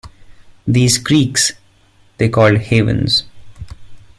These creeks, they called "havens".